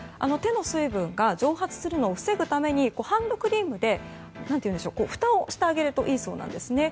手の水分が蒸発するのを防ぐためにハンドクリームでふたをしてあげるといいそうなんです。